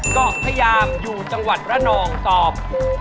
เกาะพยามอยู่จังหวัดระนองตอบ